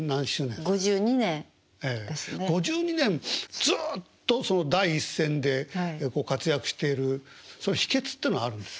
５２年ずっと第一線でご活躍しているそういう秘けつっていうのあるんですか？